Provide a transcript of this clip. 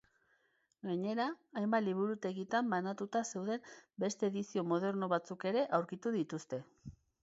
Gainera, hainbat liburutegitan banatuta zeuden beste edizio moderno batzuk ere aurkitu dituzte.